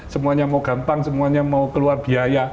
semuanya mau gampang semuanya mau keluar biaya